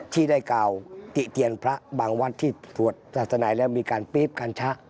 ที่ได้กล่าวติเตียนพระบางวัดที่สวดศาสนาแล้วมีการปี๊บการชะ